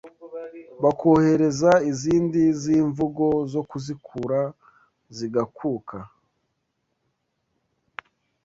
bakohereza izindi z’imivugo zo kuzikura zigakuka